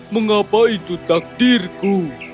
mengapa itu takdirku